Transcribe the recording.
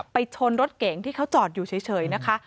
ชนรถเก๋งที่เขาจอดอยู่เฉยนะคะ